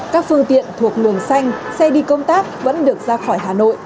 các phương tiện thuộc luồng xanh xe đi công tác vẫn được ra khỏi hà nội